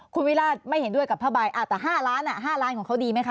คุณวิราชไม่เห็นด้วยกับผ้าใบอ่ะแต่ห้าร้านอ่ะห้าร้านของเขาดีไหมคะ